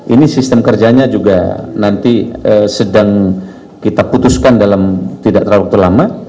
ini sistem kerjanya juga nanti sedang kita putuskan dalam tidak terlalu lama